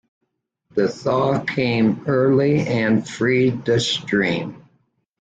The thaw came early and freed the stream.